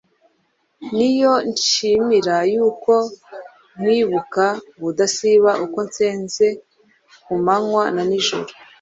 ni yo nshimira yuko nkwibuka ubudasiba uko nsenze, ku manywa na nijoro